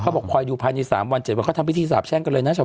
บอกคอยดูภายใน๓วัน๗วันเขาทำพิธีสาบแช่งกันเลยนะชาว